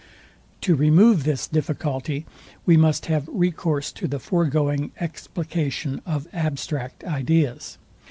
To remove this difficulty we must have recourse to the foregoing explication of abstract ideas.